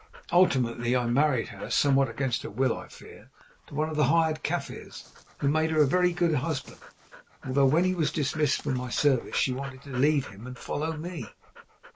Ultimately I married her, somewhat against her will, I fear, to one of the hired Kaffirs, who made her a very good husband, although when he was dismissed from my service she wanted to leave him and follow me.